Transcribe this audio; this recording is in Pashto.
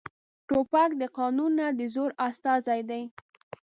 توپک د قانون نه، د زور استازی دی.